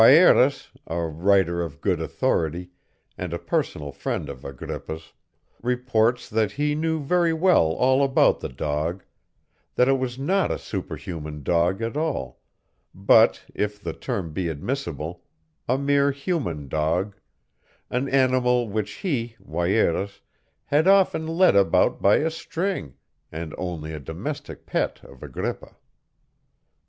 Wierus, a writer of good authority, and a personal friend of Agrippa's, reports that he knew very well all about the dog; that it was not a superhuman dog at all, but (if the term be admissible) a mere human dog an animal which he, Wierus, had often led about by a string, and only a domestic pet of Agrippa.